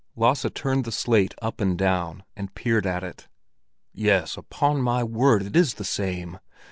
Lasse turned the slate up and down, and peered at it. "Yes, upon my word, it is the same!